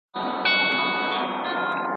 ځان به هېر کې ما به نه سې هېرولای